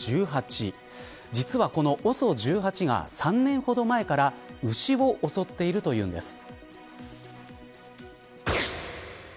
実は、このＯＳＯ１８が３年ほど前から牛を襲っているというんです。